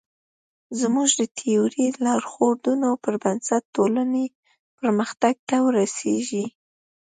زموږ د تیورۍ د لارښوونو پر بنسټ ټولنې پرمختګ ته ورسېږي.